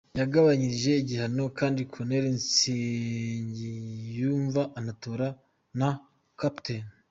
Yagabanyirije igihano kandi Colonel Nsengiyumva Anatole na Capt.